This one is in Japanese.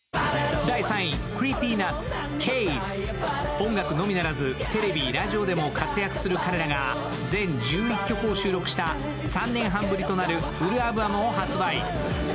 音楽のみならず、テレビ、ラジオでも活躍する彼らが全１１曲を収録した３年半ぶりとなるフルアルバムを発売。